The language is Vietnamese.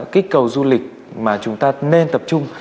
kích cầu du lịch mà chúng ta nên tập trung